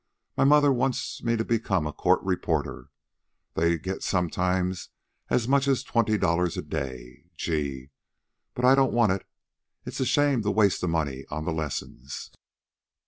My mother wants me to become a court reporter. They get sometimes as much as twenty dollars a day. Gee! But I don't want it. It's a shame to waste the money on the lessons."